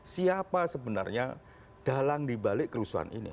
siapa sebenarnya dalang dibalik kerusuhan ini